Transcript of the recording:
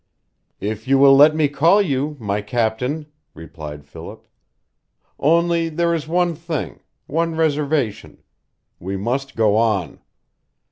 "If you will let me call you my captain," replied Philip. "Only there is one thing one reservation. We must go on.